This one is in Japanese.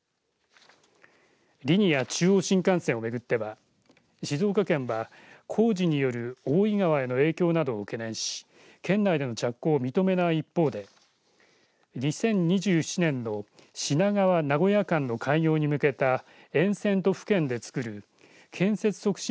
リニア中央新幹線を巡っては静岡県は工事による大井川への影響などを懸念し県内での着工を認めない一方で２０２７年の品川、名古屋間の開業に向けた沿線都府県でつくる建設促進